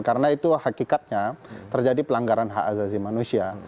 karena itu hakikatnya terjadi pelanggaran hak azazi manusia